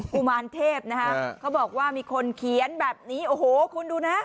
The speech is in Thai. กุมารเทพนะฮะเขาบอกว่ามีคนเขียนแบบนี้โอ้โหคุณดูนะ